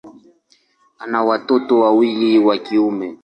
Ana watoto wawili wa kiume.